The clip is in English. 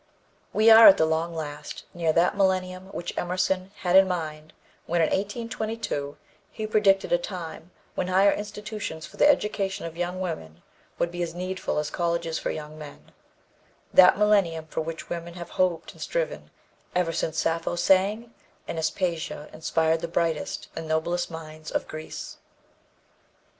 We are at the long last near that millennium which Emerson had in mind when, in 1822, he predicted "a time when higher institutions for the education of young women would be as needful as colleges for young men" that millennium for which women have hoped and striven ever since Sappho sang and Aspasia inspired the brightest, the noblest minds of Greece.